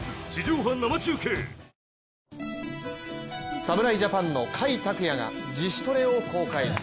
侍ジャパンの甲斐拓也が自主トレを公開。